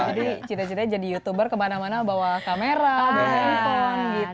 jadi ceritain ceritain jadi youtuber kemana mana bawa kamera bawa iphone gitu